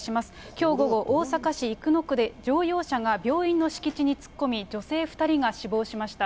きょう午後、大阪市生野区で、乗用車が病院の敷地に突っ込み、女性２人が死亡しました。